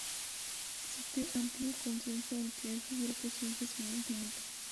Existe amplio consenso en que esos grupos siempre serían finitos.